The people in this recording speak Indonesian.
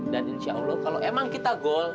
dan insya allah kalau emang kita goal